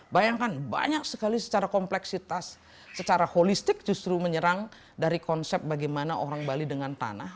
bayangkan banyak sekali secara kompleksitas secara holistik justru menyerang dari konsep bagaimana orang bali dengan tanah